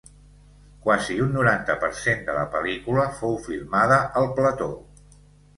Quasi un noranta per cent de la pel·lícula fou filmada al plató.